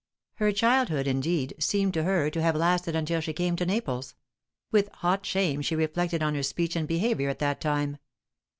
Her childhood, indeed, seemed to her to have lasted until she came to Naples; with hot shame she reflected on her speech and behaviour at that time.